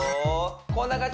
こんな感じ